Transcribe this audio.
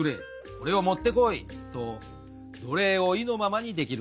これを持ってこいと奴隷を意のままにできるからです。